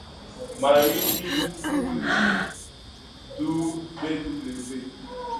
Mhariri mkuu ni Bw.